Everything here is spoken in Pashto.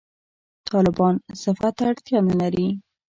«طالبان» صفت ته اړتیا نه لري.